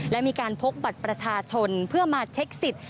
และมีการพกบัตรประชาชนเพื่อมาเช็คสิทธิ์